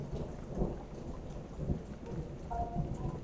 卸载军资后班宁顿号在夏威夷近海训练。